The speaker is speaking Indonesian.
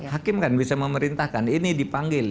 hakim kan bisa memerintahkan ini dipanggil